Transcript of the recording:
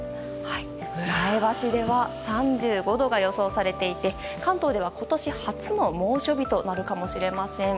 前橋では３５度が予想されていて関東では今年初の猛暑日となるかもしれません。